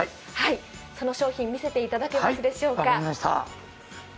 その商品、見せていただけますでしょうか。